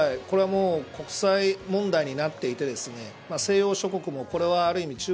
これは国際問題になっていて西洋諸国もこれはある意味